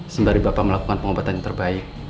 sembari bapak melakukan pengobatan yang terbaik